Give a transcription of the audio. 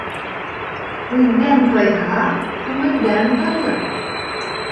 Күҙҙән тайһа, күңелдән тайыр.